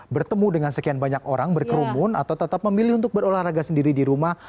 bertemu dengan sekian banyak orang berkerumun atau tetap memilih untuk berolahraga sendiri di rumah